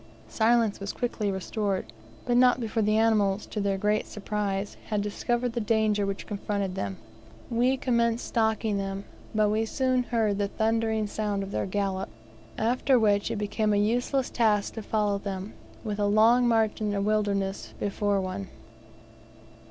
Silence was quickly restored, but not before the animals, to their great surprise, had discovered the danger which confronted them. We commenced stalking them, but we soon heard the thundering sound of their gallop, after which it becomes a useless task to follow them, with a long march in a wilderness before one.